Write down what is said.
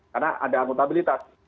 karena ada akuntabilitas